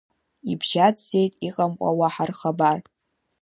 Ибжьаӡӡеит иҟамкәа уаҳа рхабар.